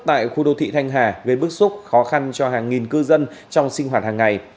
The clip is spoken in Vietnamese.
tại khu đô thị thanh hà gây bức xúc khó khăn cho hàng nghìn cư dân trong sinh hoạt hàng ngày